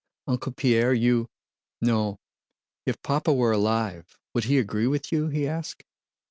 "Uncle Pierre, you... no... If Papa were alive... would he agree with you?" he asked.